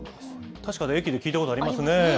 確かに駅で聞いたことありますね。